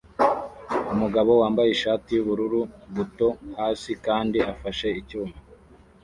Umugabo wambaye ishati yubururu buto-hasi kandi afashe icyuma